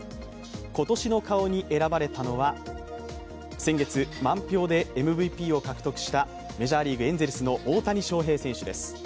今年の顔に選ばれたのは、先月、満票でＭＶＰを獲得したメジャーリーグ・エンゼルスの大谷翔平選手です。